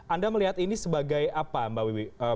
anda melihat ini sebagai apa mbak wiwi